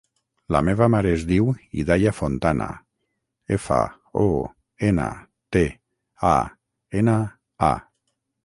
La meva mare es diu Hidaya Fontana: efa, o, ena, te, a, ena, a.